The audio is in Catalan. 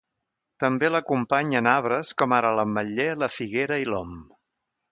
També l'acompanyen arbres, com ara l'ametller, la figuera i l'om.